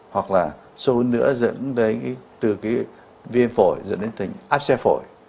hoặc là sâu hướng nữa dẫn đến từ cái viêm phổi dẫn đến thành áp xe phổi